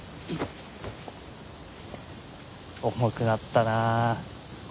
重くなったな。